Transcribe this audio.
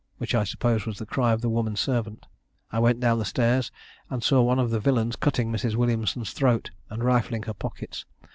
which I suppose was the cry of the woman servant. I went down stairs, and saw one of the villains cutting Mrs. Williamson's throat, and rifling her pockets.